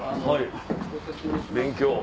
はい勉強。